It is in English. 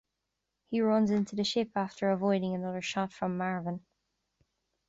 He runs into the ship after avoiding another shot from Marvin.